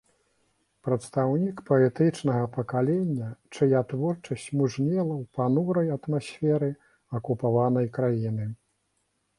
Прадстаўнік паэтычнага пакалення, чыя творчасць мужнела ў панурай атмасферы акупаванай краіны.